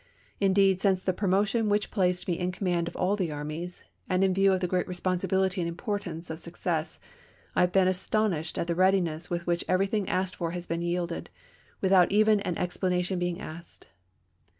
Indeed since the promotion which placed me in command of all the armies, and in view of the great responsibility and importance of suc cess, I have been astonished at the readiness with which everything asked for has been yielded, with out even an explanation being asked.